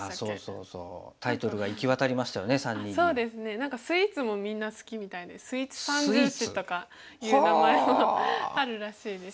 何かスイーツもみんな好きみたいでスイーツ三銃士とかいう名前もあるらしいです。